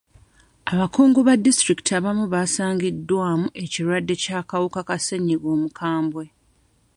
Abakungu ba disitulikiti abamu baasangiddwamu ekirwadde ky'akawuka ka ssenyiga omukambwe.